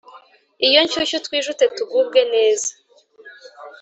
Iyo nshyushyu twijute tugubwe neza.